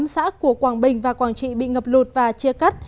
tám xã của quảng bình và quảng trị bị ngập lụt và chia cắt